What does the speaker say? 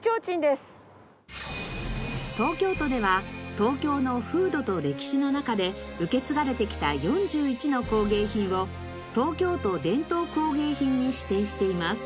東京都では東京の風土と歴史の中で受け継がれてきた４１の工芸品を東京都伝統工芸品に指定しています。